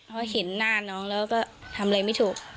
พอเห็นหน้าน้องแล้วก็ทำอะไรไม่ถูก